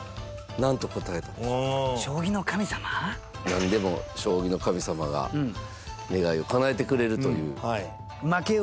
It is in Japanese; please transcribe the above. なんでも将棋の神様が願いをかなえてくれるという。